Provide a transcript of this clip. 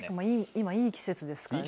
今、いい季節ですからね。